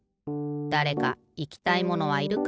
だれかいきたいものはいるか？